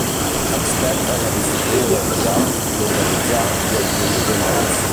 Expert en la disciplina del trial, n'organitzà i en promogué molts.